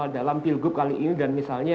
dalam pilgub kali ini dan misalnya